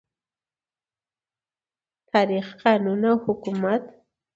تاریخ، قانون او حکومت